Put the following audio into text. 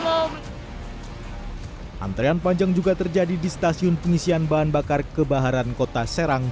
antrian panjang juga terjadi di stasiun pengisian bahan bakar kebaharan kota serang